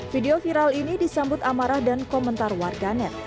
video viral ini disambut amarah dan komentar warganet